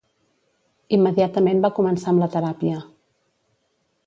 Immediatament va començar amb la teràpia.